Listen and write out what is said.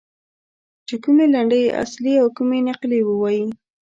چې کومې لنډۍ اصلي او کومې نقلي ووایي.